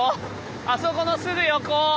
あそこのすぐ横。